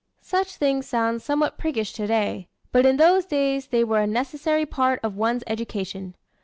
Such things sound somewhat priggish today; but in those days they were a necessary part of one's education.